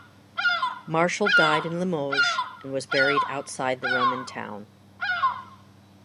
Martial died in Limoges and was buried outside the Roman town.